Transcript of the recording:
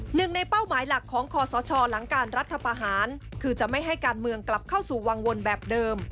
หนึ่งในเป้าหมายหลักของคอสชหลังการรัฐประหารคือจะไม่ให้การเมืองกลับเข้าสู่วังวนแบบเดิม